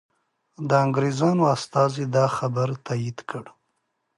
د انګریزانو استازي دا خبر تایید کړ.